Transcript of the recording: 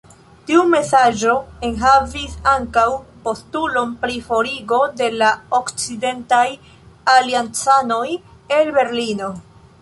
Tiu mesaĝo enhavis ankaŭ postulon pri forigo de la okcidentaj aliancanoj el Berlino.